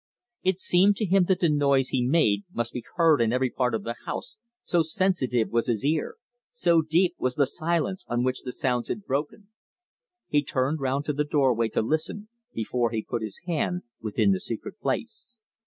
It seemed to him that the noise he made must be heard in every part of the house, so sensitive was his ear, so deep was the silence on which the sounds had broken. He turned round to the doorway to listen before he put his hand within the secret place.